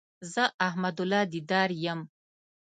زه احمد الله ديدار يم